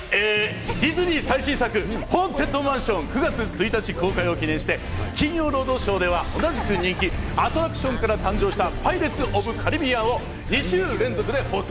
ディズニー最新作『ホーンテッドマンション』、９月１日公開を記念して『金曜ロードショー』では同じく人気アトラクションから誕生した『パイレーツ・オブ・カリビアン』を２週連続で放送。